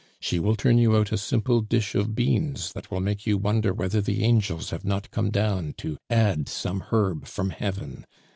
She will turn you out a simple dish of beans that will make you wonder whether the angels have not come down to add some herb from heaven.